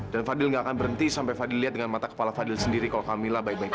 dan fadil gak akan berhenti sampai fadil lihat dengan mata kepala fadil sendiri kalau kamila baik baiknya